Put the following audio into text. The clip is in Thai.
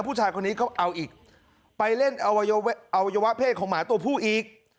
ผู้ชายคนนี้เขาเอาอีกไปเล่นอวัยวะเพศของหมาตัวผู้อีก